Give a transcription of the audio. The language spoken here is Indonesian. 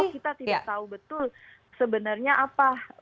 kalau kita tidak tahu betul sebenarnya apa peran kita di situ